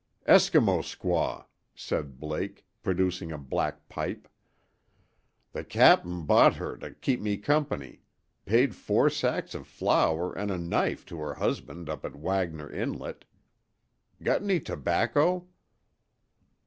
"Eskimo squaw," said Blake, producing a black pipe. "The cap'n bought her to keep me company paid four sacks of flour an' a knife to her husband up at Wagner Inlet. Got any tobacco?"